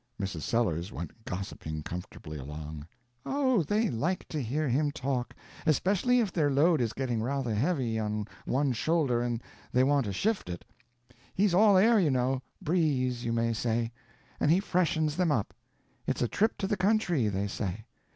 Mrs. Sellers went gossiping comfortably along: "Oh, they like to hear him talk, especially if their load is getting rather heavy on one shoulder and they want to shift it. He's all air, you know,—breeze, you may say—and he freshens them up; it's a trip to the country, they say.